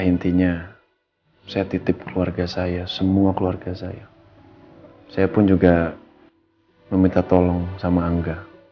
intinya saya titip keluarga saya semua keluarga saya saya pun juga meminta tolong sama angga